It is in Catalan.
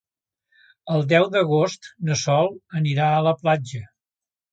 El deu d'agost na Sol anirà a la platja.